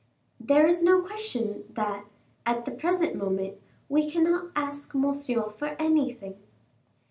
"There is no question that, at the present moment, we cannot ask Monsieur for anything."